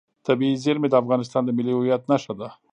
طبیعي زیرمې د افغانستان د ملي هویت نښه ده.